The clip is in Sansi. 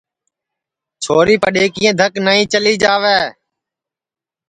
چھوری پڈؔیکِئیں دھک نائی چلی جاوے